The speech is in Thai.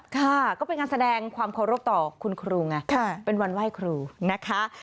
ค่ะก็เป็นการแสดงความเคารพต่อคุณครูไงเป็นวันไหว้ครูนะคะ